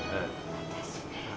私ね。